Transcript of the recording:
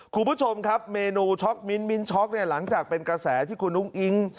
คุณผู้ชมครับเมนูช็อกมิ้นมิ้นช็อกเนี่ยหลังจากเป็นกระแสที่คุณอุ้งอิ๊ง